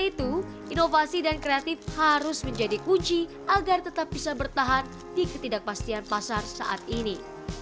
selain itu inovasi dan kreatif harus menjadi kunci agar tetap bisa bertahan di ketidakpastian pasar saat ini